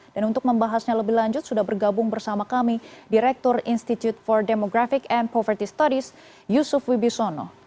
dan untuk membahasnya lebih lanjut sudah bergabung bersama kami direktur institute for demographic and poverty studies yusuf wibisono